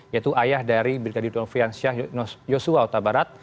yaitu ayah dari birgadi don fian syah yosua huta barat